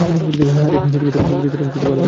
আরে, পিরিতের আলাপ বন্ধ কর!